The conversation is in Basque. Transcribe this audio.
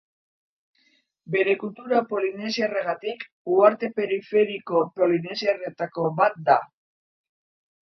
Bere kultura polinesiarragatik uharte periferiko polinesiarretako bat da.